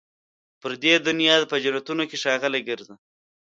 پر دې دنیا په جنتونو کي ښاغلي ګرځي